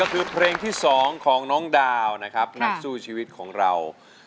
เพื่อสู้ชีวิตของเรา